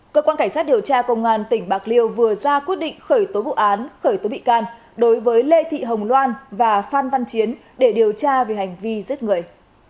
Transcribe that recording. cơ quan cảnh sát điều tra công an tỉnh bạc liêu vừa ra quyết định khởi tố vụ án khởi tố bị can đối với lê thị hồng loan và phan văn chiến để điều tra về hành vi giết người